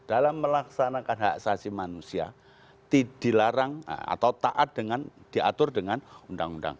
dalam melaksanakan hak asasi manusia dilarang atau taat dengan diatur dengan undang undang